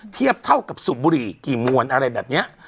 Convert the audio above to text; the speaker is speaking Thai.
เทียบเท่ากับสูบบุหรี่กี่มวลอะไรแบบนี้